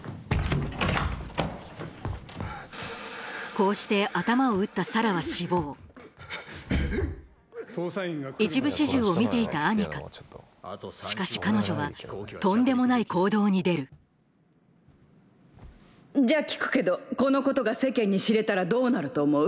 こうして頭を打ったサラは死亡一部始終を見ていたアニカしかし彼女はとんでもない行動に出るじゃ聞くけどこのことが世間に知れたらどうなると思う？